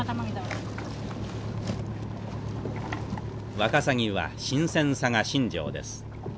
ワカサギは新鮮さが身上です。